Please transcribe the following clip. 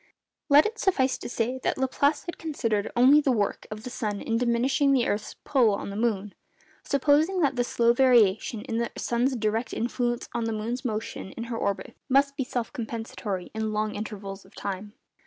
Let it suffice to say that Laplace had considered only the work of the sun in diminishing the earth's pull on the moon, supposing that the slow variation in the sun's direct influence on the moon's motion in her orbit must be self compensatory in long intervals of time.